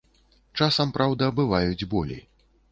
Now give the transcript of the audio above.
Часам, праўда, бываюць болі.